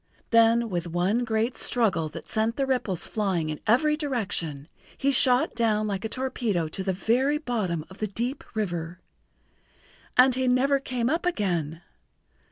Then with one great struggle that sent the ripples flying in every direction, he shot down like a torpedo to the very bottom of the deep river. And he never came up again!